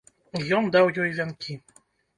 Ён даў ёй вянкі.